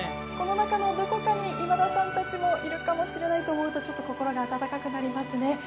この中のどこかに今田さんたちもいるかもしれないと思うと心が温かくなりますね。